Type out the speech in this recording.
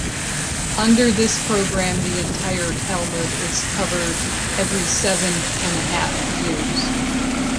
Under this program, the entire Talmud is covered every seven and a half years.